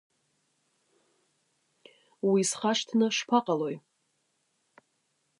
Уи схашҭны шԥаҟалои!